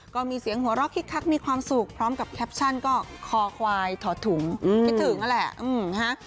ก็มีเสียงหัวเราะคิกคักมีความสุขพร้อมกับแคปชั่นก็คอควายถอดถุงคิดถึงนั่นแหละนะฮะ